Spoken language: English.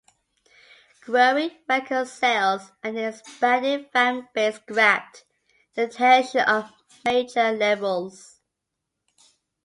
Growing record sales and an expanding fan base grabbed the attention of major labels.